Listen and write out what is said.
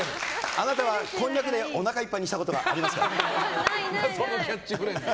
あなたは、こんにゃくでおなかいっぱいにしたことがそんなキャッチフレーズ。